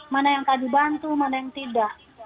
mana yang kajib bantu mana yang tidak